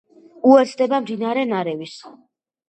უერთდება მდინარე ნარევის.